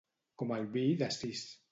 Com el vi de sis.